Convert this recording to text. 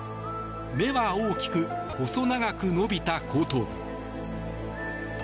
目は大きく細長く伸びた後頭部。